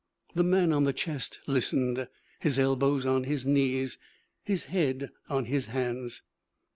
The man on the chest listened, his elbows on his knees, his head on his hands.